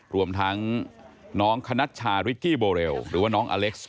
รวมทั้งน้องคณัชชาริกกี้โบเรลหรือว่าน้องอเล็กซ์